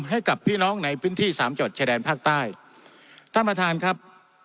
ให้กับพี่น้องในพื้นที่สามจังหวัดชายแดนภาคใต้ท่านประธานครับ